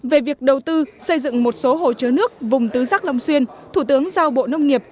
về việc đầu tư xây dựng một số hồ chứa nước vùng tứ giác long xuyên thủ tướng giao bộ nông nghiệp